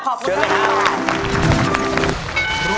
ขอบคุณคุณคุณครับ